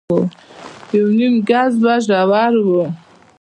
يونيم ګز به ژور و.